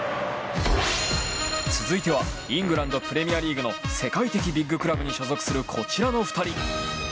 続いてはイングランド・プレミアリーグの世界的ビッグクラブに所属するこちらの２人。